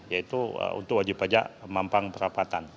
yaitu untuk wajib pajak mampang perapatan